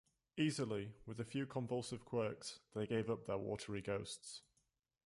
Easily, with a few convulsive quirks, they give up their watery ghosts.